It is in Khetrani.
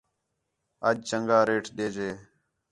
اَڄ چَنڳا ریٹ دے جے